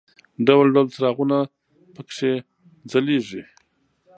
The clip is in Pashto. ډول ډول څراغونه په کې ځلېږي.